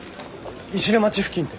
石音町付近って。